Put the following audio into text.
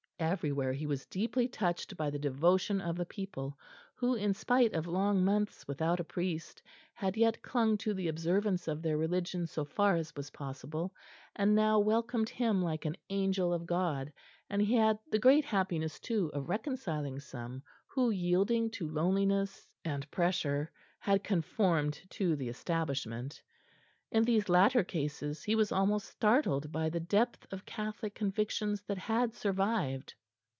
Everywhere he was deeply touched by the devotion of the people, who, in spite of long months without a priest, had yet clung to the observance of their religion so far as was possible, and now welcomed him like an angel of God; and he had the great happiness too of reconciling some who, yielding to loneliness and pressure, had conformed to the Establishment. In these latter cases he was almost startled by the depth of Catholic convictions that had survived.